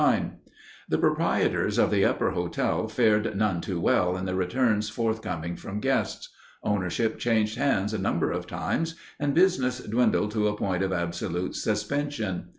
The proprietors of the Upper Hotel fared none too well in the returns forthcoming from guests. Ownership changed hands a number of times, and business dwindled to a point of absolute suspension.